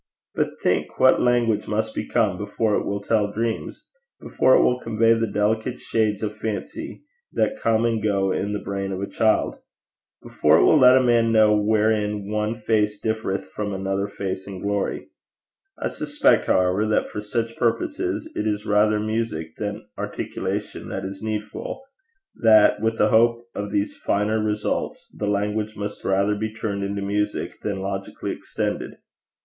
But think what language must become before it will tell dreams! before it will convey the delicate shades of fancy that come and go in the brain of a child! before it will let a man know wherein one face differeth from another face in glory! I suspect, however, that for such purposes it is rather music than articulation that is needful that, with a hope of these finer results, the language must rather be turned into music than logically extended.